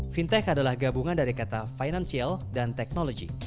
fintech adalah gabungan dari kata financial dan teknologi